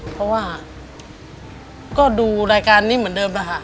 เพราะว่าก็ดูรายการนี้เหมือนเดิมแล้วค่ะ